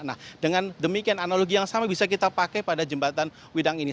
nah dengan demikian analogi yang sama bisa kita pakai pada jembatan widang ini